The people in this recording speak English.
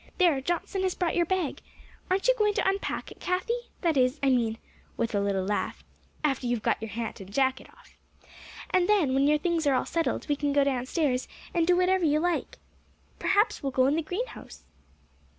"There, Johnson has brought your bag. Aren't you going to unpack it, Cathie? that is, I mean" with a little laugh "after you've got your hat and jacket off. And then, when your things are all settled, we can go downstairs, and do whatever you like. Perhaps we'll go in the greenhouse."